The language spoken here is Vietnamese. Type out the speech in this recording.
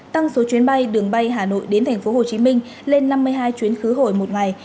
tăng số chuyến bay đường bay hà nội đến tp hcm lên năm mươi hai chuyến khứ hồi một ngày